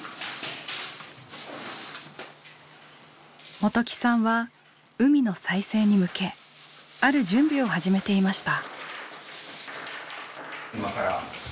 元起さんは海の再生に向けある準備を始めていました。